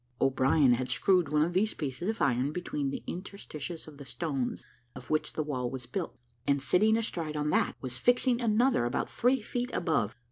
O'Brien had screwed one of these pieces of iron between the interstices of the stones of which the wall was built, and sitting astride on that, was fixing another about three feet above.